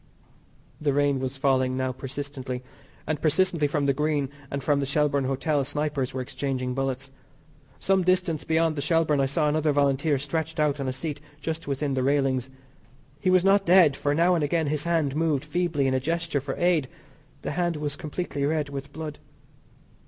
The rain was falling now persistently, and persistently from the Green and from the Shelbourne Hotel snipers were exchanging bullets. Some distance beyond the Shelbourne I saw another Volunteer stretched out on a seat just within the railings. He was not dead, for, now and again, his hand moved feebly in a gesture for aid; the hand was completely red with blood.